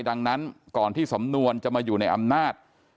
ดังนั้นก่อนที่สำนวนจะมาอยู่ในอำนาจ